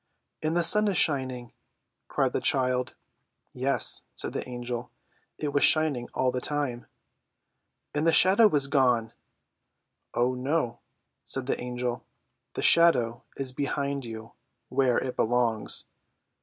"And the sun is shining!" cried the child. "Yes," said the Angel; "it was shining all the time." "And the shadow is gone!" "Oh, no!" said the Angel; "the shadow is behind you, where it belongs.